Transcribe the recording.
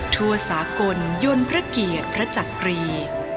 ทั่วสากลยนต์พระเกียรติพระจักรี